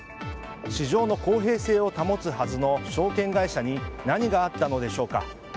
市場の公平性を保つはずの証券会社に何があったのでしょうか？